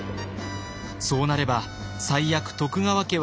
そうなれば最悪徳川家は分裂。